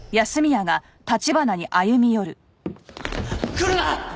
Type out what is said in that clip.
来るな！